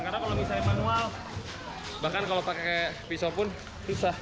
karena kalau misalnya manual bahkan kalau pakai pisau pun susah